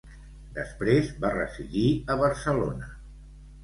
Després va residir a Barcelona.